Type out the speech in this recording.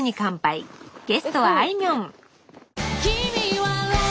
ゲストはあいみょん